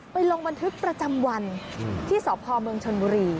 ลงบันทึกประจำวันที่สพเมืองชนบุรี